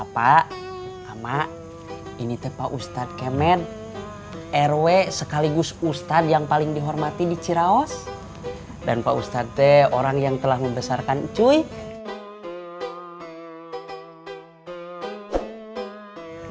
pak amak ini teh pak ustadz kemen rw sekaligus ustadz yang paling dihormati di ciraos dan pak ustadz teh orang yang telah membesarkan cuy